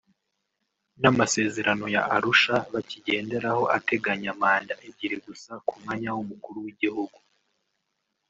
n’amasezerano ya Arusha bakigenderaho ateganya manda ebyiri gusa k’umwanya w’umukuru w’igihugu